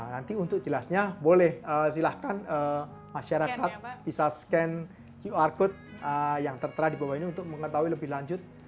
nanti untuk jelasnya boleh silahkan masyarakat bisa scan qr code yang tertera di bawah ini untuk mengetahui lebih lanjut